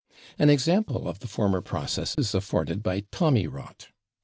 An example of the former process is afforded by /Tommy rot